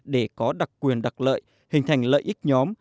để có đặc quyền đặc lợi hình thành lợi ích nhóm